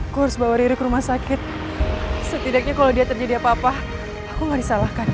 aku harus bawa diri ke rumah sakit setidaknya kalau dia terjadi apa apa aku nggak disalahkan